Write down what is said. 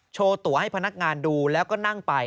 โชว์ตัวให้พนักงานดูแล้วก็นั่งไป